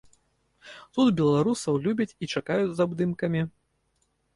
Тут беларусаў любяць і чакаюць з абдымкамі.